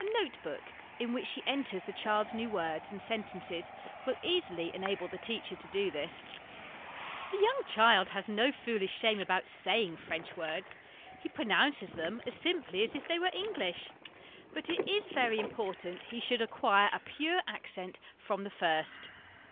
A note book in which she enters the child's new words and sentences will easily enable the teacher to do this. The young child has no foolish shame about saying French words he pro nounces them as simply as if they were English ; 302 HOME EDUCATION but it is very important that he should acquire a pure accent from the first.